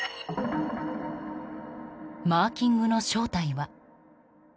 マーキングの正体は。